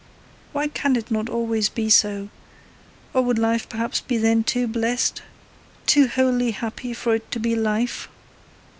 Why cannot it always be so, or would life perhaps be then too blessed, too wholly happy for it to be life?